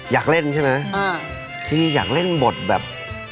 อยากเล่นใช่ไหมจริงอยากเล่นบทแบบ